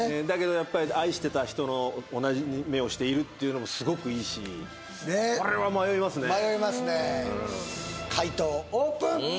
だけどやっぱり愛してた人と同じ目をしているっていうのもすごくいいしこれは迷いますね迷いますね解答オープン！